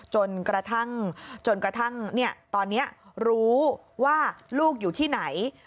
จนกระทั่งตอนนี้รู้ว่าลูกอยู่ที่ไหน